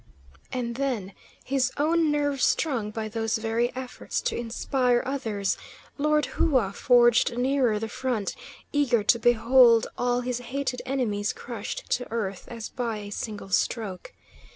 And then, his own nerve strung by those very efforts to inspire others, Lord Hua forged nearer the front, eager to behold all his hated enemies crushed to earth as by a single stroke.